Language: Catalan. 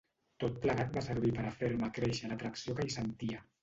Tot plegat va servir per a fer-me créixer l'atracció que hi sentia.